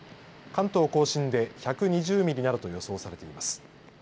関東甲信で１２０ミリなどと予想されています。